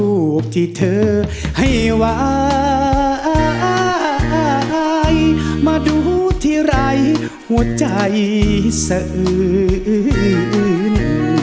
รูปที่เธอให้ไว้มาดูที่ไร้หัวใจเสอิน